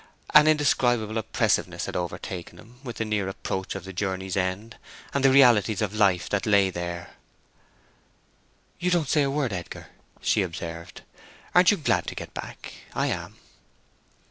An indescribable oppressiveness had overtaken him with the near approach of the journey's end and the realities of life that lay there. "You don't say a word, Edgar," she observed. "Aren't you glad to get back? I am."